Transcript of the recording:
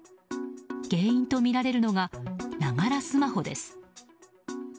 原因とみられるのがながらスマホです。